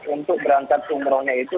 untuk berangkat umrohnya itu